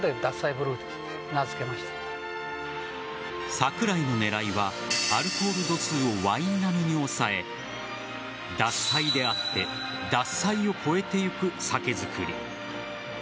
桜井の狙いはアルコール度数をワイン並みに抑え獺祭であって獺祭を超えていく酒造り。